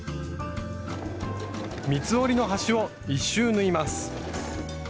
三つ折りの端を１周縫います。